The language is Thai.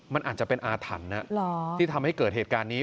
มันอาจจะเป็นอาถรรพ์ที่ทำให้เกิดเหตุการณ์นี้